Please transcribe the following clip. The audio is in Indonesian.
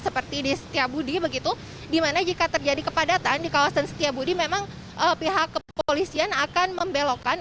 seperti di setiabudi begitu di mana jika terjadi kepadatan di kawasan setiabudi memang pihak kepolisian akan membelokkan